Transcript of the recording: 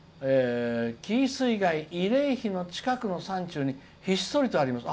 紀伊水害慰霊碑の近くの山中にひっそりとあります」。